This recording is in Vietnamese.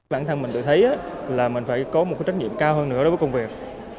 bản thân mình được thấy là mình phải có một cái trách nhiệm cao hơn nữa đối với công việc